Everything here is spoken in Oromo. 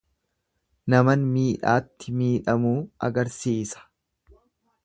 Naman miidhaatti miidhamuu agarsiisa.